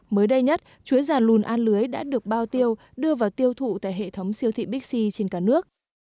mới đây nhất chuối già lùn a lưới đã được bao tiêu đưa vào tiêu thụ tại hệ thống siêu thị bixi trên cả nước